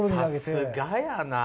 さすがやな。